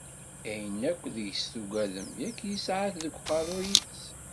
Ayen akken deg-s tugadem yak yesɛa-t deg uqerru-is.